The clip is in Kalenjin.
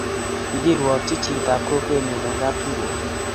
Ki kirwoki chitab kokwenyu eng kapkirwok